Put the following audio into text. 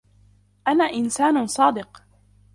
أنا إنسان صادق.